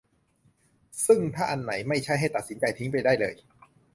ซึ่งถ้าอันไหนไม่ใช่ให้ตัดสินใจทิ้งไปได้เลย